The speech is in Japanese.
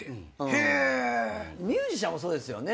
ミュージシャンもそうですよね。